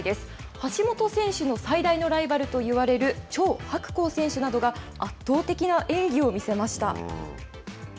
橋本選手の最大のライバルといわれる張博恒選手などが、圧倒的な演技を見せました。